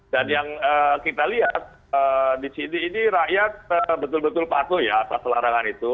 dan yang kita lihat di sini ini rakyat betul betul patuh ya pas larangan itu